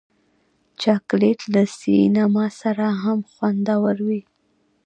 چاکلېټ له سینما سره هم خوندور وي.